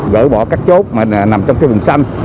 gỡ bỏ các chốt mà nằm trong cái vùng xanh